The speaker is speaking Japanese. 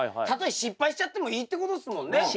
たとえ失敗しちゃってもいいってことですもんね？